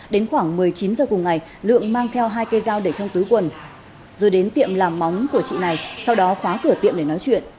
đến khoảng một mươi chín h cùng ngày lượng mang theo hai cây dao để trong tứ quần rồi đến tiệm làm móng của chị này sau đó khóa cửa tiệm để nói chuyện